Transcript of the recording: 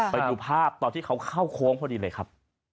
ไปดูภาพตอนที่เขาเข้าโค้งพอดีเลยครับ